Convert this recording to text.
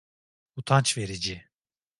Utanç verici.